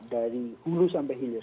dari hulus sampai hilir